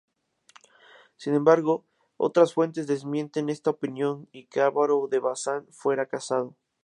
Sin embargo, otras fuentes desmienten esta opinión y que Álvaro de Bazán fuera cesado.